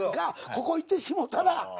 ここいってしもうたら。